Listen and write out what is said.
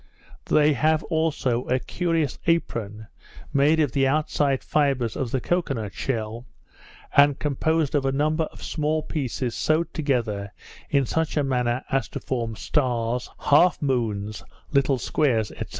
They have also a curious apron made of the outside fibres of the cocoa nut shell, and composed of a number of small pieces sewed together in such a manner as to form stars, half moons, little squares, &c.